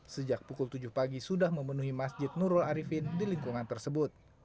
sejak pukul tujuh pagi sudah memenuhi masjid nurul arifin di lingkungan tersebut